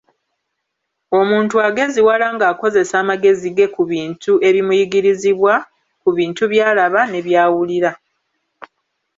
Omuntu ageziwala ng'akozesa amagezi ge ku bintu ebimuyigirizibwa, ku bintu by'alaba ne by'awulira.